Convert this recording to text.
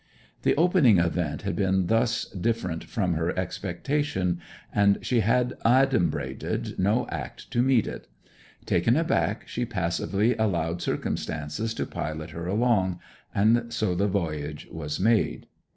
The opening event had been thus different from her expectation, and she had adumbrated no act to meet it. Taken aback she passively allowed circumstances to pilot her along; and so the voyage was made.